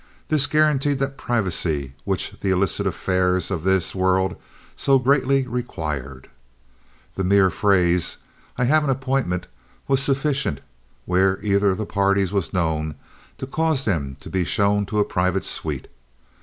This guaranteed that privacy which the illicit affairs of this world so greatly required. The mere phrase, "I have an appointment," was sufficient, where either of the parties was known, to cause them to be shown to a private suite.